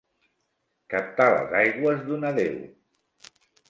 Captar les aigües d'una deu.